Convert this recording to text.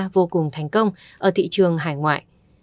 vô cùng thành công ở thị trường hải ngoại